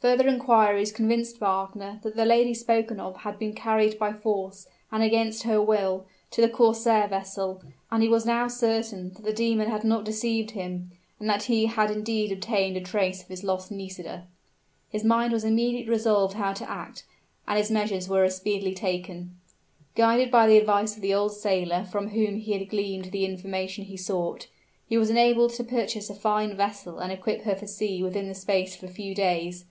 Further inquiries convinced Wagner that the lady spoken of had been carried by force, and against her will, to the corsair vessel; and he was now certain that the demon had not deceived him, and that he had indeed obtained a trace of his lost Nisida! His mind was immediately resolved how to act; and his measures were as speedily taken. Guided by the advice of the old sailor from whom he had gleaned the information he sought, he was enabled to purchase a fine vessel and equip her for sea within the space of a few days.